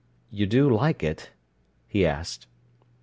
"You do like it?" he asked.